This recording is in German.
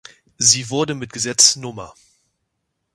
Sie wurde mit Gesetz Nr.